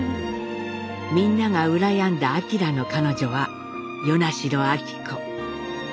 みんなが羨んだ晃の彼女は与那城昭子。